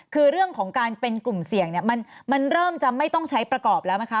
คือเรื่องของการเป็นกลุ่มเสี่ยงเนี่ยมันเริ่มจะไม่ต้องใช้ประกอบแล้วไหมคะ